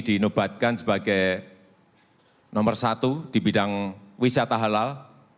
di nubatkan sebagai nomor satu di bidang wisata halal